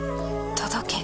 届け。